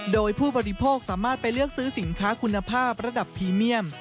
โดยผู้บริโภคสามารถไปเลือกซื้อสินค้าคุณภาพระดับพรีเมียม